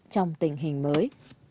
trong tình hình mới